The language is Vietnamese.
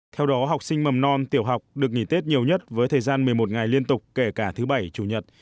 theo đó học sinh mầm non tiểu học được nghỉ tết nhiều nhất với thời gian một mươi một ngày liên tục kể cả thứ bảy chủ nhật